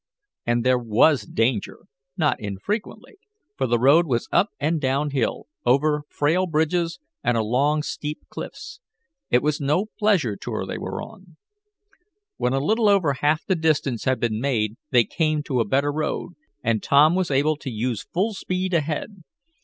And there was danger, not infrequently, for the road was up and down hill, over frail bridges, and along steep cliffs. It was no pleasure tour they were on. When a little over half the distance had been made they came to a better road, and Tom was able to use full speed ahead.